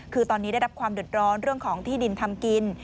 คือตอนนี้ได้รับความเดือดร้อนเรื่องของที่ดินทำกิน